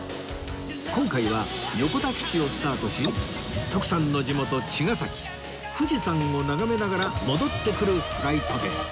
今回は横田基地をスタートし徳さんの地元茅ヶ崎富士山を眺めながら戻ってくるフライトです